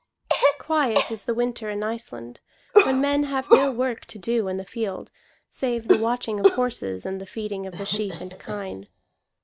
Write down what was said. Quiet is the winter in Iceland, when men have no work to do in the field, save the watching of horses and the feeding of the sheep and kine.